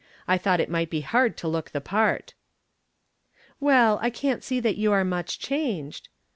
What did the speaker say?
I thought it might be hard to look the part." "Well, I can't see that you are much changed."